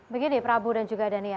begini prabu dan juga dania